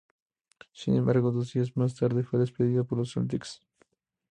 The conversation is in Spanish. Sin embargo, dos días más tarde fue despedido por los Celtics.